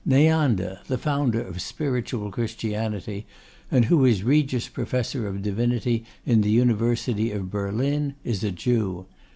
Neander, the founder of Spiritual Christianity, and who is Regius Professor of Divinity in the University of Berlin, is a Jew.